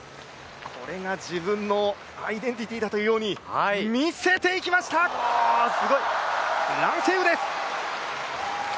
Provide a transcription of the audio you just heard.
これが自分のアイデンティティだというように見せていきました蘭星宇です。